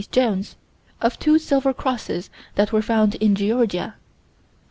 Jones, of two silver crosses that were found in Georgia.